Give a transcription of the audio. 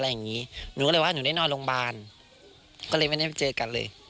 เหมือนกะเทยแบบนี้ค่ะ